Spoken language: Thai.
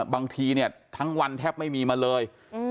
บางทีเนี่ยทั้งวันแทบไม่มีมาเลย